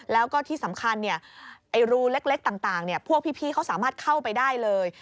แล้วก็ที่สำคัญรูเล็กต่างพวกพี่เขาสามารถเข้าไปได้เลย